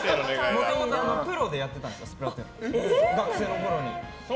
もともとプロでやってたんです学生のころに。